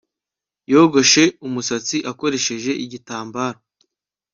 Yogoshe umusatsi akoresheje igitambaro